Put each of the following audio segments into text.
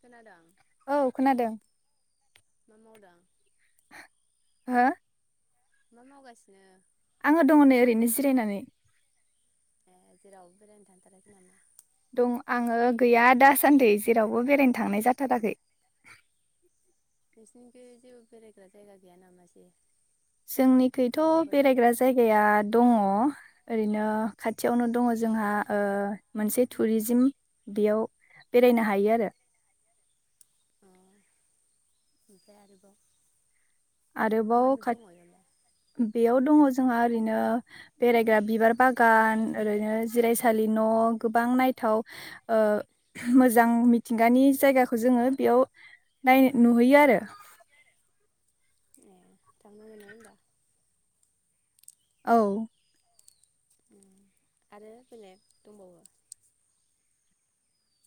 खोनादों औ औ खोनादों। मा मावदों। हो? मा मावगासिनो? आङो दङ नै ओरैनो जिरायनानै। ए जेरावबो बेरायनो थांथाराखै नामा? दं आङो गैया दासान्दि जेरावबो बेरायनो थांनाय जाथाराखै। नोंसिनिखै जेबो बेरायग्रा जायगा गैया नामा सै? जोंनिखैथ' बेरायग्रा जायगाया दङ। ओरैनो खाथियावनो दङ जोंहा ओ मोनसे टुरिजिम बेयाव बेरायनो हायो आरो। अ ओमफाय आरोबाव मा मा आरोबाव खा दङ इयावलाय बेयाव दङ जो जोंहा ओरैनो बेरायग्रा बिबार बागान ओरैनो जिरायसालि न'। गोबां नायथाव ओ मोजां मिथिंगानि जायगाखौ जोङो बेयाव नाय नुहैयो आरो। ए थांनो मोनो होमबा। औ। उम आरो बेलेग दंबावो।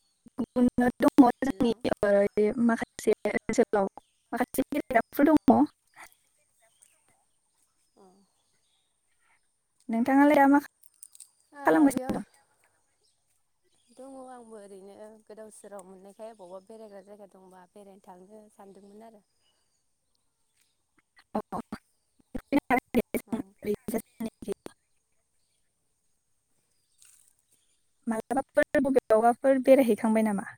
[unintelligible] हेलौ [unintelligible] [unintelligible] दङ। अ' नोंथाङालाय आ [inaudible] खालामगासिनो बेयाव दं। दङ आंबो ओरैनो गोदाव सोराव मोननायखाय अबावबा बेरायग्रा जायगा दंबा बेरायनो थांनो सानदोंमोन आरो। [unintelligible] अ [unintelligible] मालाबाफोर बबेयावबाफोर बेरायहैखांबाय नामा?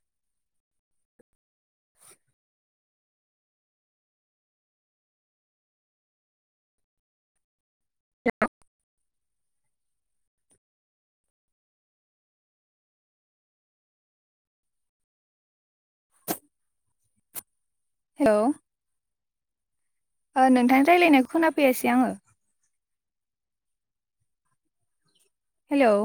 हेल'। ओ नोंथांनि रायलायनायखौ खोनाफैयाासै आङो। हेलौ।